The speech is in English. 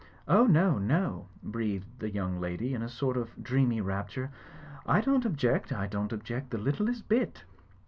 "O no, no/* breathed the young lady in a sort of dreamy rapture. "I don't object. I don't object the litUest bit!"